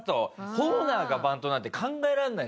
ホーナーがバントなんて考えられないですよね。